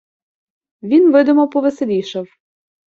Він видимо повеселішав.